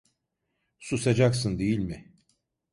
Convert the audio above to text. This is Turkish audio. Susacaksın değil mi?